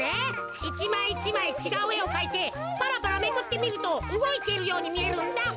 １まい１まいちがうえをかいてパラパラめくってみるとうごいてるようにみえるんだ。